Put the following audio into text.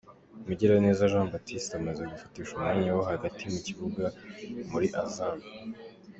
Mugiraneza Jean Baptiste amaze gufatisha umwanya wo hagati mu kibuga muri Azam.